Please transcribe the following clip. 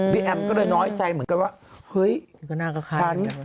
พี่แอมก็เลยน้อยใจเหมือนกันว่าเฮ้ยฉัน